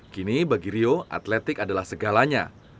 kini bagi rio atletik adalah segalanya